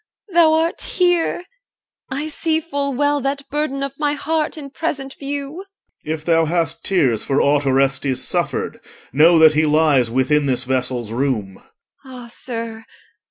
thou art here: I see full well That burden of my heart in present view. OR. If thou hast tears for aught Orestes suffered, Know that he lies within this vessel's room. EL. Ah, sir!